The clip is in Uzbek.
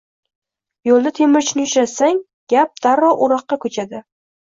Yoʻlda temirchini uchratsang, gap darrov oʻroqqa koʻchadi